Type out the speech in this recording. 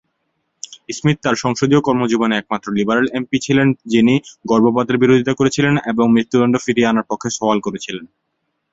Smith তার সংসদীয় কর্মজীবনে একমাত্র লিবারেল এমপি ছিলেন যিনি গর্ভপাতের বিরোধিতা করেছিলেন এবং মৃত্যুদণ্ড ফিরিয়ে আনার পক্ষে সওয়াল করেছিলেন।